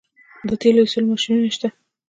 د تیلو ایستلو ماشینونه شته